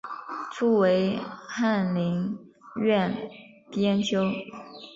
初为翰林院编修。